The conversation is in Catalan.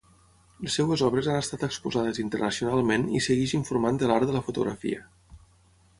Les seves obres han estat exposades internacionalment i segueix informant de l'art de la fotografia.